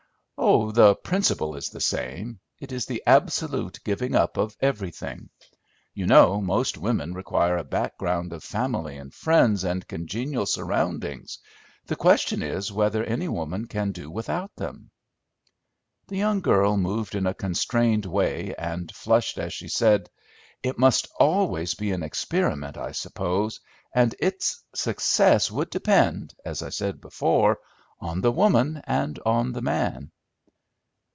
"Oh, the principle is the same. It is the absolute giving up of everything. You know most women require a background of family and friends and congenial surroundings; the question is whether any woman can do without them." The young girl moved in a constrained way, and flushed as she said, "It must always be an experiment, I suppose, and its success would depend, as I said before, on the woman and on the man."